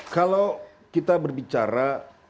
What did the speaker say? kalau kita berbicara